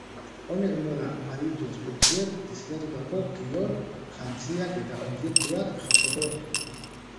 Honek moda aditu ospetsuek diseinatutako kirol jantziak eta objektuak jasoko ditu.